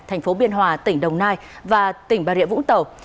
tp biên hòa tỉnh đồng nai và tỉnh bà rịa vũng tàu